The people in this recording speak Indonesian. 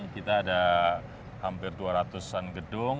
kita ada hampir dua ratus an gedung